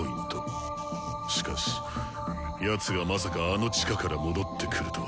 しかしやつがまさかあの地下から戻ってくるとは。